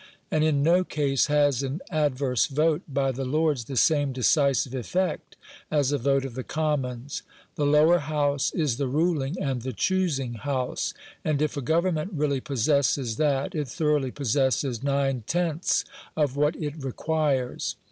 And in no case has an adverse vote by the Lords the same decisive effect as a vote of the Commons; the Lower House is the ruling and the choosing House, and if a Government really possesses that, it thoroughly possesses nine tenths of what it requires.